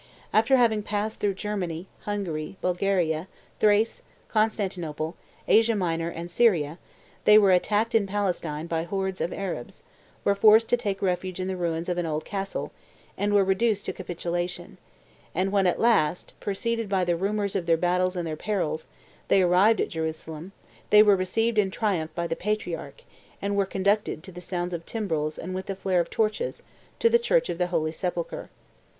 After having passed through Germany, Hungary, Bulgaria, Thrace, Constantinople, Asia Minor, and Syria, they were attacked in Palestine by hordes of Arabs, were forced to take refuge in the ruins of an old castle, and were reduced to capitulation; and when at last, "preceded by the rumors of their battles and their perils, they arrived at Jerusalem, they were received in triumph by the patriarch, and were conducted, to the sound of timbrels and with the flare of torches, to the church of the Holy Sepulchre.